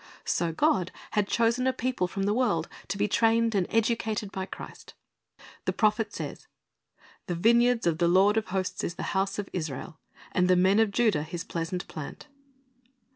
So God had chosen a people from the world to be trained and educated by Christ. The prophet says, "The vineyard of the Lord of hosts is the house of Israel, and the men of Judah His pleasant plant.